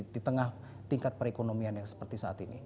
di tengah tingkat perekonomian yang seperti saat ini